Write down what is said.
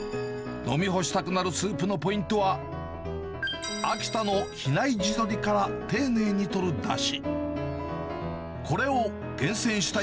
飲み干したくなるスープのポイントは、秋田の比内地鶏から丁寧にとるだし。